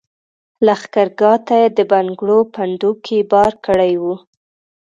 لښګرګاه ته یې د بنګړو پنډوکي بار کړي وو.